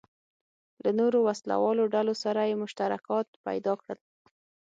له نورو وسله والو ډلو سره یې مشترکات پیدا کړل.